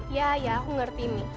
ya ya aku ngerti nih